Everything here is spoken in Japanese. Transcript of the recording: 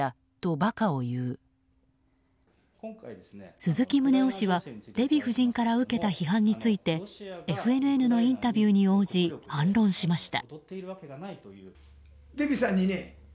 鈴木宗男氏は、デヴィ夫人から受けた批判についてＦＮＮのインタビューに応じ反論しました。